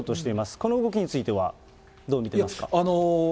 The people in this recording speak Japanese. この動きについてはどう見ていますか。